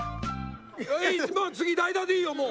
いい次代打でいいよもう！